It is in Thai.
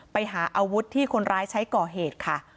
ไปหาอาวุธที่คนร้ายใช้ก่อเหตุค่ะ